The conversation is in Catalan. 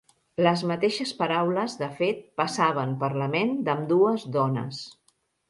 Les mateixes paraules, de fet, passaven per la ment d'ambdues dones.